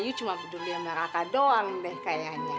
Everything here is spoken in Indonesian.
you cuma peduli sama raka doang deh kayaknya